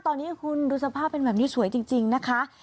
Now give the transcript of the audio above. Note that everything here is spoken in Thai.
ตอนนี้คุณดูสภาพเป็นแบบนี้สวยจริงนะคะ